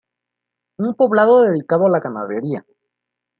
Un poblado dedicado a la ganadería.